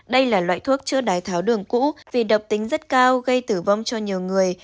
đây là loại thuốc chữa đái tháo đường cũ vì độc tính rất cao gây tử vong cho nhiều người